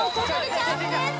チャンスです